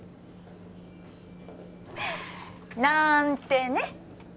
なーんてね！